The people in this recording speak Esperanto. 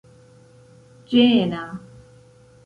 ĝena